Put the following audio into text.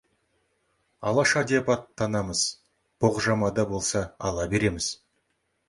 Алаша деп аттанамыз, боқжама да болса ала береміз.